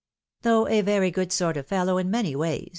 Though a very good sort of fellow in many ways.